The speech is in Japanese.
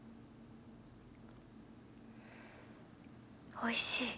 おいしい。